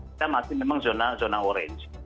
kita masih memang zona orange